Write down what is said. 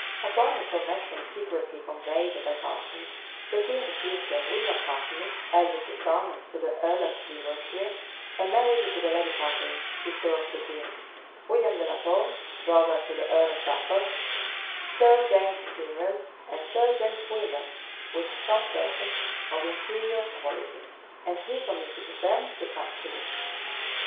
Upon information secretly conveyed by Curson, the king seized William Courtney, eldest son to the earl of Devonshire, and married to the lady Catharine, sister of the queen; William de la Pole, brother to the earl of Suffolk; Sir James Tyrrel, and Sir James Windham, with some persons of inferior quality; and he committed them to custody.